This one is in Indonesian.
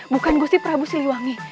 bukan gusti prabu siliwangi